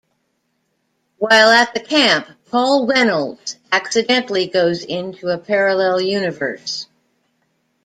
While at the camp, Paul Reynolds accidentally goes into a parallel universe.